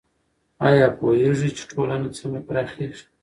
آیا پوهېږئ چې ټولنه څنګه پراخیږي؟